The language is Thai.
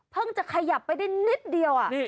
เพิ่งจะขยับไปได้นิดเดียว